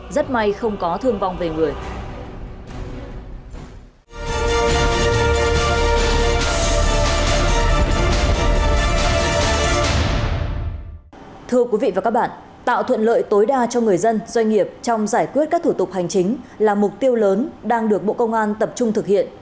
rất may không có thương vong về người